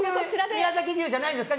宮崎牛じゃないんですか？